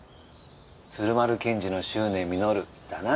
鶴丸検事の執念実るだな。